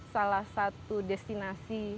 salah satu destinasi